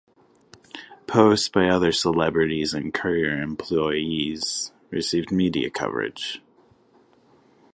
Posts by other celebrities and courier employees received media coverage.